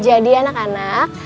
jadi anak anak